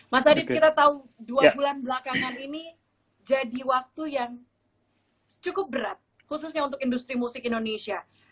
mas adib kita tahu dua bulan belakangan ini jadi waktu yang cukup berat khususnya untuk industri musik indonesia